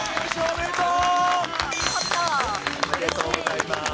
おめでとうございます。